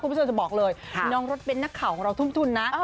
คุณผู้ชมจะบอกเลยน้องรถเบ้นนักข่าวของเราทุ่มทุนนะ